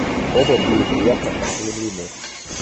Оба были приятно ошеломлены.